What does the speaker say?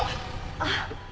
あっ。